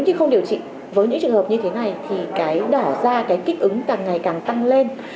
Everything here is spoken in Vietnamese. chứ không điều trị với những trường hợp như thế này thì cái đỏ da cái kích ứng càng ngày càng tăng lên